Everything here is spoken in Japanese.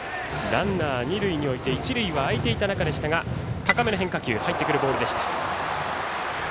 ランナー二塁に置いて一塁は空いていた中でしたが高めの変化球入ってくるボールでした。